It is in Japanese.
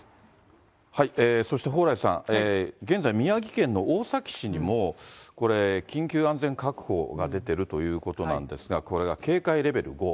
そして蓬莱さん、現在、宮城県の大崎市にも、これ、緊急安全確保が出てるということなんですが、これは警戒レベル５。